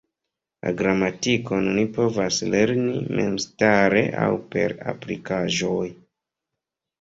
La gramatikon oni povas lerni memstare aŭ per aplikaĵoj.